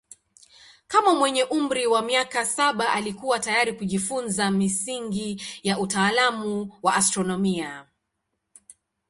Kama mwenye umri wa miaka saba alikuwa tayari kujifunza misingi ya utaalamu wa astronomia.